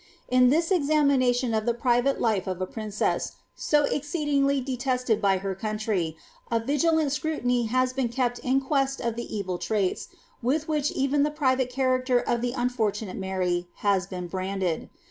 In this exami nation of the private life of a princess so exceedingly detested by her country, a vigilant scrutiny has been kept in quest of the evil traits, with which even the private ciiaracter of the unfortunate Mary has been branded.